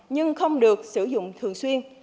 nhưng không được sử dụng thường xuyên